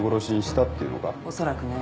おそらくね。